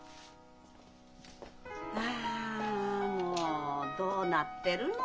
あもうどうなってるの？